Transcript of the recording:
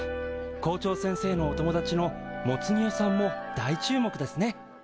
校長先生のお友達のモツ煮屋さんも大注目ですね。